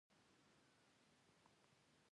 کارخونې د تولید لپاره مجهزې دي.